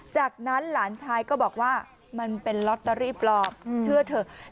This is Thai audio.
จากนั้นหลานชายก็บอกว่ามันเป็นลอตเตอรี่ปลอมเชื่อเถอะ